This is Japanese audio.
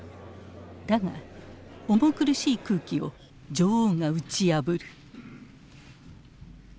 だが重苦しい空気を女王が打ち破る。